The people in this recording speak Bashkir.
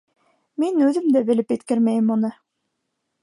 - Мин үҙем дә белеп еткермәйем уны.